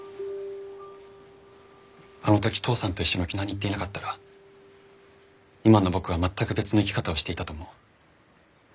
あの時父さんと一緒に沖縄に行っていなかったら今の僕は全く別の生き方をしていたと思う。